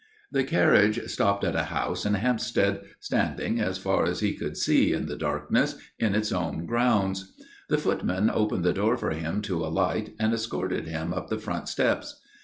The carriage stopped at a house in Hampstead, standing, as far as he could see in the darkness, in its own grounds. The footman opened the door for him to alight and escorted him up the front steps.